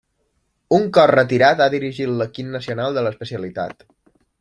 Un cop retirat ha dirigit l'equip nacional de l'especialitat.